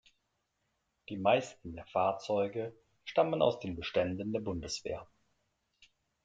Die meisten der Fahrzeuge stammen aus den Beständen der Bundeswehr.